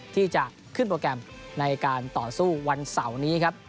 ที่จะขึ้นโปรแกรมในการต่อสู้วันเสาร์นี้ครับ